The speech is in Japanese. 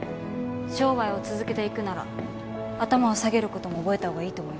商売を続けていくなら頭を下げる事も覚えたほうがいいと思いますけど。